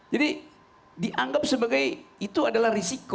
jadi dianggap sebagai itu adalah risiko